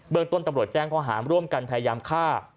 เมืองต้นตำรวจแจ้งข้อหาร่วมกันพยายามฆ่า